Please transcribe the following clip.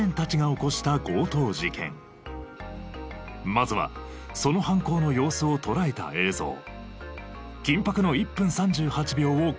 まずはその犯行の様子を捉えた映像緊迫の１分３８秒をご覧ください。